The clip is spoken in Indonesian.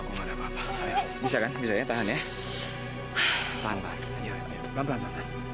aku nggak ada apa apa